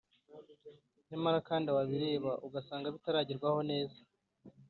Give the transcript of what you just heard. nyamara kandi wabireba ugasanga, bitaragerwaho neza